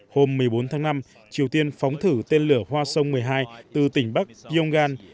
hôm một mươi bốn tháng năm triều tiên phóng thử tên lửa hoa sông một mươi hai từ tỉnh bắc yonggan